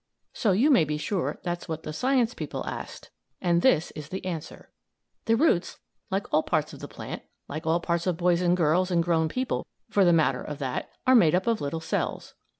So you may be sure that's what the science people asked, and this is the answer: The roots, like all parts of the plant like all parts of boys and girls and grown people, for the matter of that are made up of little cells.